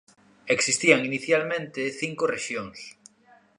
Existían inicialmente cinco rexións.